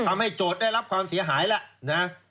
ทำให้โจทย์ได้รับความเสียหายแล้ว